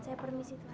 saya permisi tuhan